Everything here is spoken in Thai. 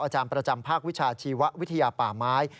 อาจารย์ประจำภาควิชาชีววิทยาป่าไม้